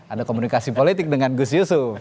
ada komunikasi politik dengan gus yusuf